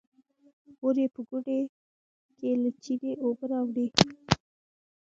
مور يې په ګوډي کې له چينې اوبه راوړې.